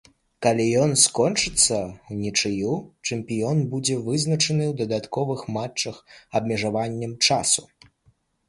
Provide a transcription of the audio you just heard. Калі ён скончыцца ўнічыю, чэмпіён будзе вызначаны ў дадатковых матчах з абмежаваннем часу.